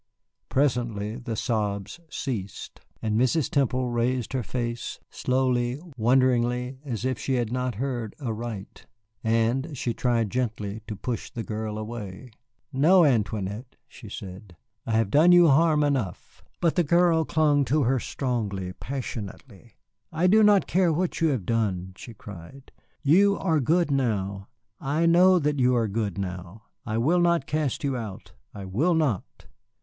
Presently the sobs ceased, and Mrs. Temple raised her face, slowly, wonderingly, as if she had not heard aright. And she tried gently to push the girl away. "No, Antoinette," she said, "I have done you harm enough." But the girl clung to her strongly, passionately. "I do not care what you have done," she cried, "you are good now. I know that you are good now. I will not cast you out. I will not."